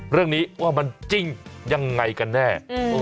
เรื่องนี้ว่ามันจริงยังไงกันแน่